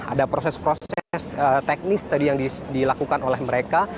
ada proses proses teknis tadi yang dilakukan oleh mereka